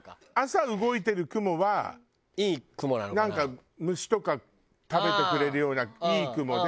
なんか虫とか食べてくれるようないいクモで。